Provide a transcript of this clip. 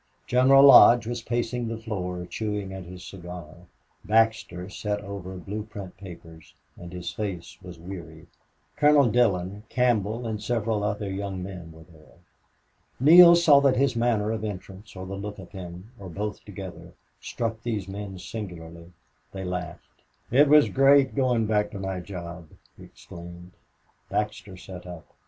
General Lodge was pacing the floor, chewing at his cigar; Baxter sat over blueprint papers, and his face was weary; Colonel Dillon, Campbell, and several other young men were there. Neale saw that his manner of entrance, or the look of him, or both together, struck these men singularly. He laughed. "It was great going back to my job!" he exclaimed. Baxter sat up.